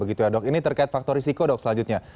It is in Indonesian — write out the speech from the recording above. ini terkait faktor risiko dok selanjutnya